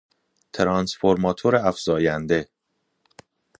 ترانسفورماتورافزاینده